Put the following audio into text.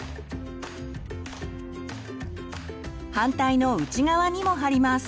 反対の内側にも貼ります。